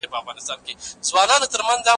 هغه کسان چي څېړونکي نه دي لارښود نه سي کېدای.